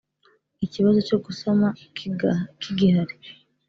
ikibazo cyo gusama ki gihari.